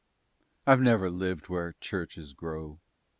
I've never lived where churches grow.